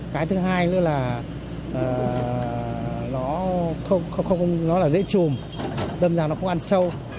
cái thứ hai nữa là nó không dễ trùm đâm ra nó không ăn sâu